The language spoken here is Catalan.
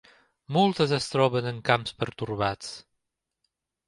Moltes es troben en camps pertorbats.